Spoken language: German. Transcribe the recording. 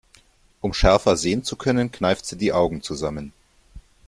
Um schärfer sehen zu können, kneift sie die Augen zusammen.